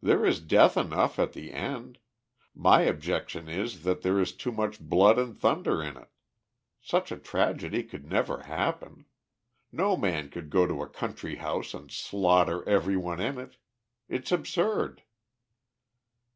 "There is death enough at the end. My objection is that there is too much blood and thunder in it. Such a tragedy could never happen. No man could go to a country house and slaughter every one in it. It's absurd."